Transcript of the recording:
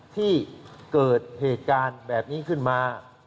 ที่เกิดเหตุการณ์แบบนี้ขึ้นมา